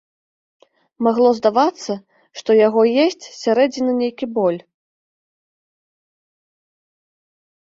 Магло здавацца, што яго есць з сярэдзіны нейкі боль.